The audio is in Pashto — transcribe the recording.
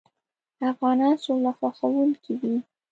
افغانان سوله خوښوونکي دي.